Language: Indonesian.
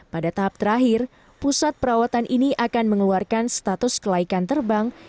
pada tahap terakhir pusat perawatan ini akan mengeluarkan status kelaikan terbang